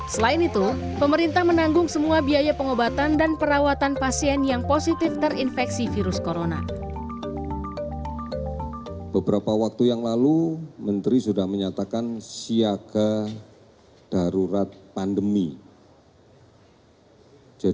selain itu pemerintah menanggung semua biaya pengobatan dan perawatan pasien yang positif terinfeksi virus corona